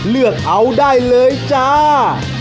เลือกเอาได้เลยจ้า